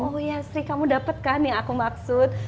oh ya sri kamu dapat kan yang aku maksud